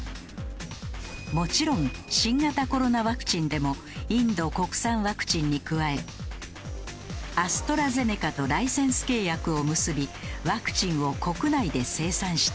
もちろん新型コロナワクチンでもインド国産ワクチンに加えアストラゼネカとライセンス契約を結びワクチンを国内で生産している。